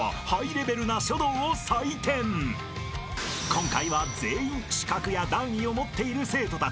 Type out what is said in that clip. ［今回は全員資格や段位を持っている生徒たち］